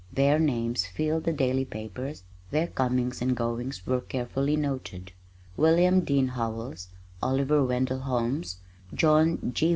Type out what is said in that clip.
Their names filled the daily papers, their comings and goings were carefully noted. William Dean Howells, Oliver Wendell Holmes, John G.